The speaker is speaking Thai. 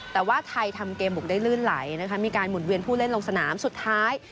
แต่ว่าไทยทำเกมบุกได้ลื่นไหลนะคะมีการหมุนเวียนผู้เล่นลงสนามสุดท้าย